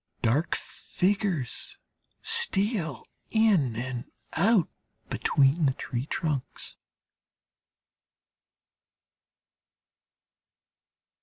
Dark figures steal in and out between the tree trunks.